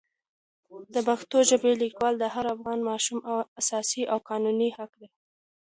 د پښتو ژبې لیکل د هر افغان ماشوم اساسي او قانوني حق دی.